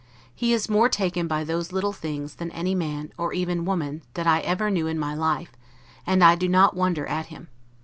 He is more taken by those little things, than any man, or even woman, that I ever knew in my life: and I do not wonder at him.